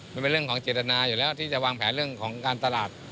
มันเป็นเรื่องของเจตนาอยู่แล้วที่จะวางแผนเรื่องของการตลาด